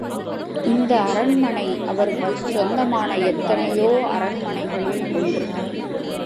இந்த அரண்மனை அவருக்குச் சொந்தமான எத்தனையோ அரண்மனைகளில் ஒன்று.